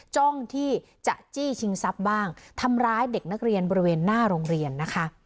จ้องที่จะจี้ชิงทรัพย์บ้างทำร้ายเด็กนักเรียนบริเวณหน้าโรงเรียนนะคะ